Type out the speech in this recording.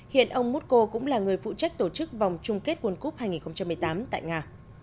hiện ông muko cũng là người phụ trách tổ chức vòng chung kết world cup hai nghìn một mươi tám tại nga